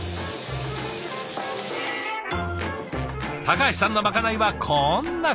橋さんのまかないはこんな感じ。